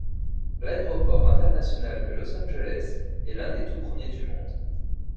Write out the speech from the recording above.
L’aéroport international de Los Angeles est l’un des tout premiers du monde.